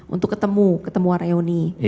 untuk ketemu ketemuan reuni